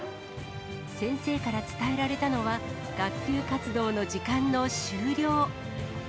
先生から伝えられたのは、学級活動の時間の終了。